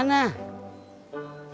kita ngomongnya di rumah aja ya be